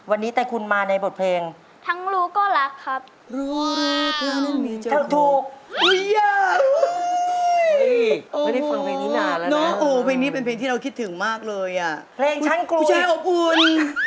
อันนั้นสอนถูกด้วย